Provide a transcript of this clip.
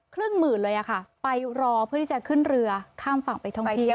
หมื่นเลยอะค่ะไปรอเพื่อที่จะขึ้นเรือข้ามฝั่งไปท่องเที่ยว